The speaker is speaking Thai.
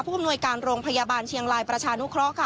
ผู้อำนวยการโรงพยาบาลเชียงลายประชานุครอค